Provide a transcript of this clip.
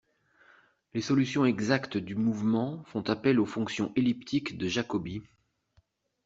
Les solutions exactes du mouvement font appel aux fonctions elliptiques de Jacobi.